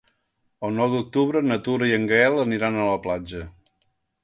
El nou d'octubre na Tura i en Gaël aniran a la platja.